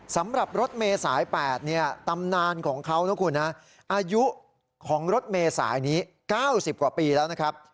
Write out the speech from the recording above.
สำหรับรถเมษายแปดตำนานคืออายุของรถเมษายนี้๙๐กว่าปีแล้ว